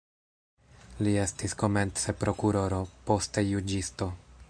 Li estis komence prokuroro, poste juĝisto.